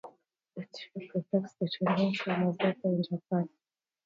Its shape reflects the changing form of warfare in Japan.